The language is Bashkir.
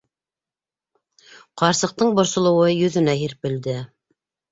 - Ҡарсыҡтың борсолоуы йөҙөнә һирпелде.